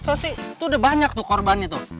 sosi itu udah banyak tuh korban itu